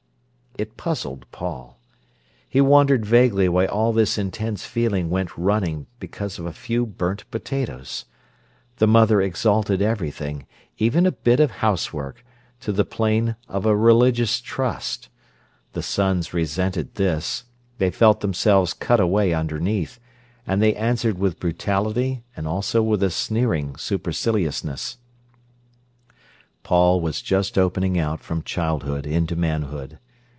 It puzzled Paul. He wondered vaguely why all this intense feeling went running because of a few burnt potatoes. The mother exalted everything—even a bit of housework—to the plane of a religious trust. The sons resented this; they felt themselves cut away underneath, and they answered with brutality and also with a sneering superciliousness. Paul was just opening out from childhood into manhood.